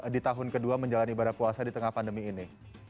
di tahun kedua menjalani ibadah puasa di tengah pandemi ini